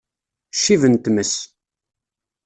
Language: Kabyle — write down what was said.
Ccib n tmes!